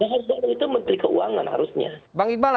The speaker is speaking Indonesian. bang iqbal ada subsidi juga dari pemerintah untuk jkp ini